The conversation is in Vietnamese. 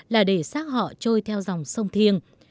là để xác họ trôi theo dòng sông thiêng